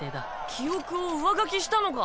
記憶を上書きしたのか？